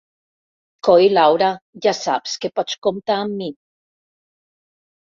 Coi, Laura, ja saps que pots comptar amb mi.